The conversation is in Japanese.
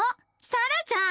さらちゃん。